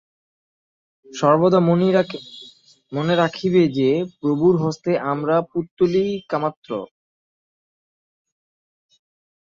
সর্বদা মনে রাখিবে যে, প্রভুর হস্তে আমরা পুত্তলিকামাত্র।